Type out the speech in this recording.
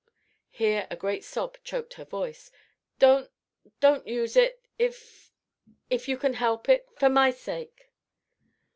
here a great sob choked her voice "don't don't use it if if you can help it, for my sake."